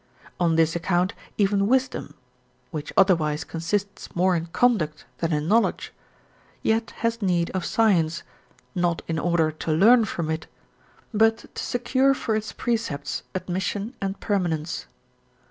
On this account even wisdom which otherwise consists more in conduct than in knowledge yet has need of science, not in order to learn from it, but to secure for its precepts admission and permanence.